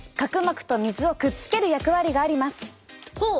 ほう。